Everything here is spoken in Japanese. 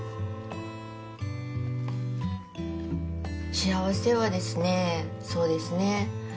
幸せはですね、そうですね。